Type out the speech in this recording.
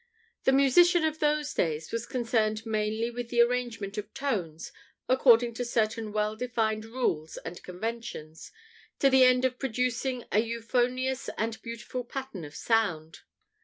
The musician of those days was concerned mainly with the arrangement of tones according to certain well defined rules and conventions, to the end of producing a euphonious and beautiful pattern of sound.